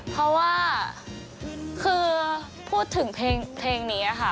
เพราะว่าคือพูดถึงเพลงนี้ค่ะ